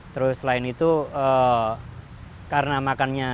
terus lain itu karena makannya